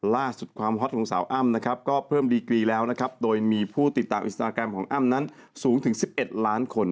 ล่าสุดความฮอตของสาวอ้ำนะครับก็เพิ่มดีกรีแล้วนะครับโดยมีผู้ติดตามอินสตาแกรมของอ้ำนั้นสูงถึง๑๑ล้านคน